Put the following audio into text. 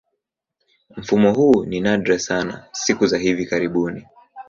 Mfumo huu ni nadra sana siku za hivi karibuni.